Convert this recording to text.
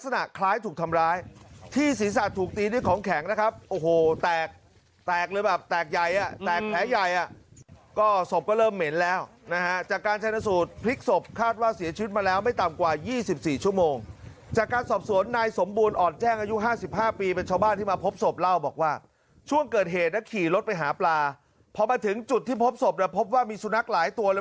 นะครับโอ้โหแตกแตกเลยแบบแตกใหญ่แตกแผลใหญ่ก็ศพก็เริ่มเหม็นแล้วนะฮะจากการใช้นักสูตรพลิกศพคาดว่าเสียชีวิตมาแล้วไม่ต่ำกว่า๒๔ชั่วโมงจากการสอบสวนนายสมบูรณ์อ่อนแจ้งอายุ๕๕ปีเป็นชาวบ้านที่มาพบศพเล่าบอกว่าช่วงเกิดเหตุแล้วขี่รถไปหาปลาพอมาถึงจุดที่พบศพแล้วพบว่ามีสุนัขหล